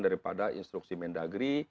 daripada instruksi mendagri